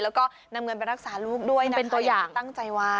แล้วก็นำเงินไปรักษาลูกด้วยนะเป็นตัวอย่างที่ตั้งใจไว้